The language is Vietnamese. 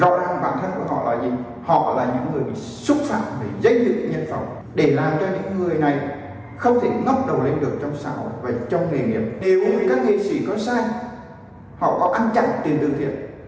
chẳng tìm thương thiệt